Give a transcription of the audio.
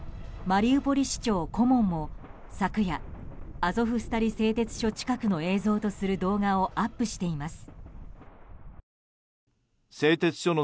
マリウポリ市長顧問も昨夜アゾフスタリ製鉄所近くの映像とする動画をアップしています。